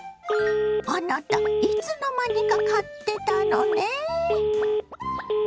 あなたいつの間にか買ってたのね。